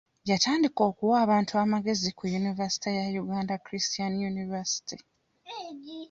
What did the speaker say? Yatandika okuwa abantu amagezi ku yunivasite ya Uganda Christian University.